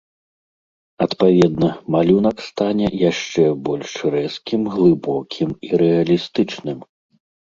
Адпаведна, малюнак стане яшчэ больш рэзкім, глыбокім і рэалістычным.